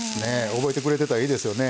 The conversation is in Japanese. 覚えてくれてたらいいですよね。